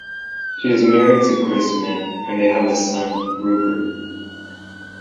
She is married to Chris Mann and they have a son, Rupert.